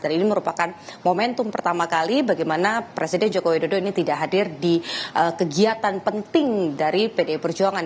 dan ini merupakan momentum pertama kali bagaimana presiden jokowi dodo ini tidak hadir di kegiatan penting dari pdi perjuangan